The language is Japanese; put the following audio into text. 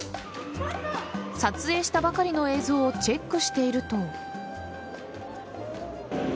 撮影したばかりの映像をチェックしていると。